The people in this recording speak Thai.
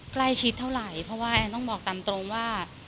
ใกล้ชิดเท่าไหร่เพราะว่าแอนต้องบอกตามตรงว่า